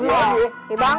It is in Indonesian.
kita kagak mempan nih